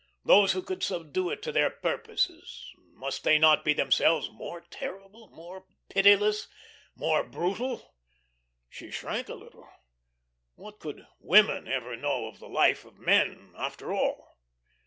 Those who could subdue it to their purposes, must they not be themselves more terrible, more pitiless, more brutal? She shrank a little. What could women ever know of the life of men, after all?